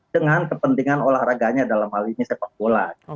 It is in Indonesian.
dengan kepentingan olahraganya dalam hal ini sepak bola